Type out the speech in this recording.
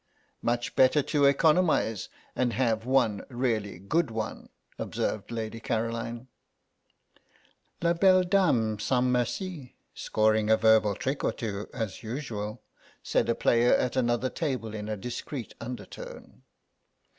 "Much better to economise and have one really good one," observed Lady Caroline. "La belle dame sans merci scoring a verbal trick or two as usual," said a player at another table in a discreet undertone.